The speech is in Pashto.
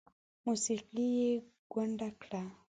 موسیقي یې کونډه کړه